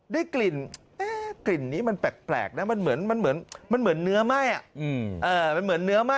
ได้กลิ่นนี้มันแปลกนะมันเหมือนเนื้อไหม้